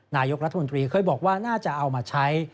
นายกรัฐมนตรีเคยบอกว่าน่าจะเอามาใช้